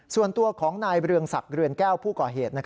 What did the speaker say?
ส่วนตัวของนายเรืองศักดิ์เรือนแก้วผู้ก่อเหตุ